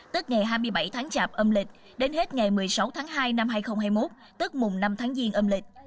tức ngày hai mươi bảy tháng chạp âm lịch đến hết ngày một mươi sáu tháng hai năm hai nghìn hai mươi một tức mùng năm tháng giêng âm lịch